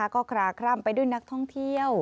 ก็คลาคร่ำไปด้วยนักท่องเที่ยว